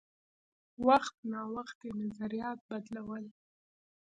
وخت نا وخت یې نظریات بدلول.